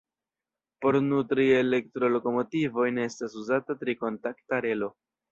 Por nutri elektrolokomotivojn estas uzata tri kontakta relo.